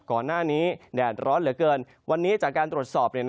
ก่อนหน้านี้แดดร้อนเหลือเกินวันนี้จากการตรวจสอบ